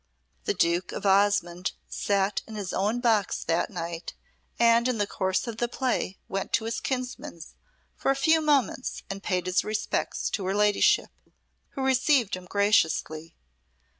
The Duke of Osmonde sate in his own box that night and in the course of the play went to his kinsman's for a few moments and paid his respects to her ladyship, who received him graciously.